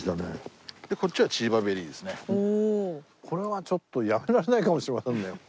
これはちょっとやめられないかもしれませんね。